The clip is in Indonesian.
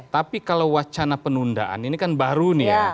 tapi kalau wacana penundaan ini kan baru nih ya